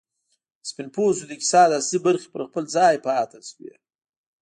د سپین پوستو د اقتصاد اصلي برخې پر خپل ځای پاتې شوې.